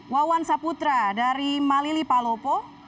wawan saputra dari malili palopo